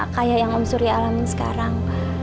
kayak yang om surya alamin sekarang